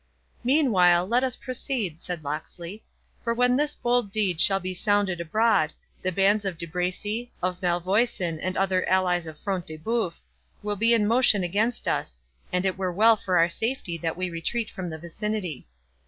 "Meanwhile, let us proceed," said Locksley; "for when this bold deed shall be sounded abroad, the bands of De Bracy, of Malvoisin, and other allies of Front de Bœuf, will be in motion against us, and it were well for our safety that we retreat from the vicinity.